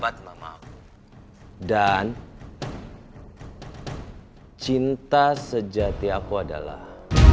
dan cinta sejati aku adalah